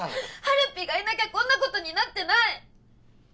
はるぴがいなきゃこんなことになってない！